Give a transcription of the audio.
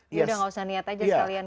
tidak usah niat saja sekalian